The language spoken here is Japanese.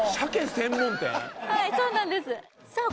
はいそうなんですさあ